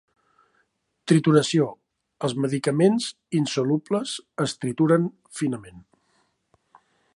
Trituració: els medicaments insolubles es trituren finament.